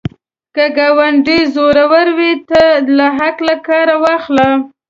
که ګاونډی زورور وي، ته له عقل کار واخله